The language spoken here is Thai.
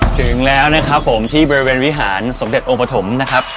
ถึงแล้วนะครับผมที่บริเวณวิหารสมเด็จองค์ปฐมนะครับ